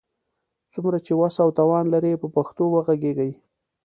څومره چي وس او توان لرئ، په پښتو وږغېږئ!